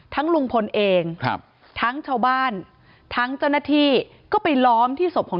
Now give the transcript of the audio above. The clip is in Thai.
ลุงพลเองครับทั้งชาวบ้านทั้งเจ้าหน้าที่ก็ไปล้อมที่ศพของ